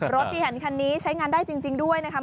รถที่เห็นคันนี้ใช้งานได้จริงด้วยนะครับ